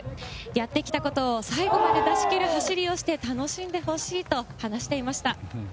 やってきたことを最後まで出しきる走りをして、楽しんでほしいと話していました。